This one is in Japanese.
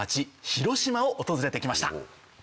広島を訪れてきました。